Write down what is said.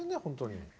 本当に。